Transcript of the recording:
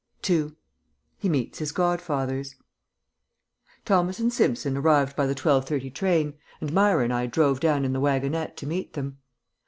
II. HE MEETS HIS GODFATHERS Thomas and Simpson arrived by the twelve thirty train, and Myra and I drove down in the wagonette to meet them.